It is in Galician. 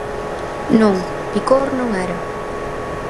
_Non, picor non era.